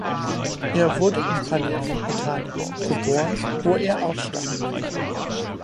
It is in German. Er wurde in Palermo, Italien, geboren, wo er auch starb.